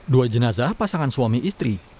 dua jenazah pasangan suami istri